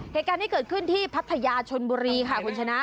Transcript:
เหตุการณ์ที่เกิดขึ้นที่พัทยาชนบุรีค่ะคุณชนะ